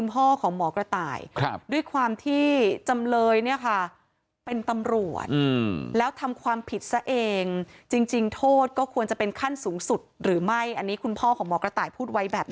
เพราะฉะนั้นเขากลัวจะต้องได้รับโทษที่มันขั้นสูงกว่าปกติอยู่แล้ว